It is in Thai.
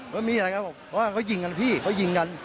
ว่ามีอะไรครับผมเพราะว่าเขายิงกันพี่เขายิงกัน